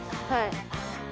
はい。